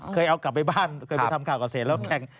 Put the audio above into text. เคยเอากลับไปบ้านเคยไปทำข่าวเกษตรแล้วแข่ง